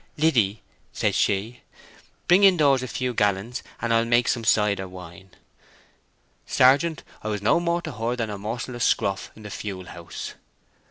'Liddy,' says she, 'bring indoors a few gallons, and I'll make some cider wine.' Sergeant, I was no more to her than a morsel of scroff in the fuel house!"